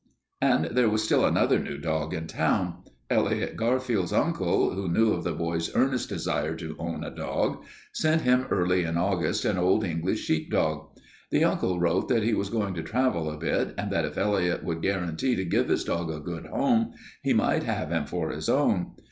And there was still another new dog in town. Elliot Garfield's uncle, who knew of the boy's earnest desire to own a dog, sent him early in August an Old English sheepdog. The uncle wrote that he was going to travel a bit, and that if Elliot would guarantee to give his dog a good home, he might have him for his own.